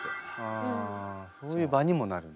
あそういう場にもなるんですね。